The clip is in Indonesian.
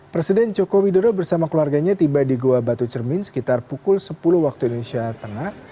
presiden joko widodo bersama keluarganya tiba di goa batu cermin sekitar pukul sepuluh waktu indonesia tengah